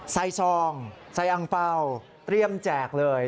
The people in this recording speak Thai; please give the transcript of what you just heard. ซองใส่อังเปล่าเตรียมแจกเลย